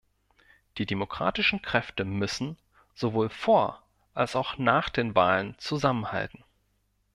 Die demokratischen Kräfte müssen sowohl vor als auch nach den Wahlen zusammenhalten.